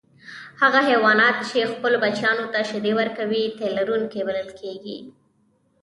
هغه حیوانات چې خپلو بچیانو ته شیدې ورکوي تی لرونکي بلل کیږي